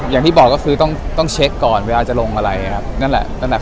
อย่างที่บอกก็คือต้องเช็คก่อนเวลาจะลงอะไรครับนั่นแหละ